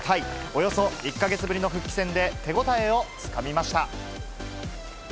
およそ１か月ぶりの復帰戦で、手応えをつかみました。